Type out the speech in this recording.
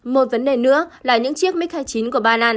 một vấn đề nữa là những chiếc mig hai mươi chín của ba lan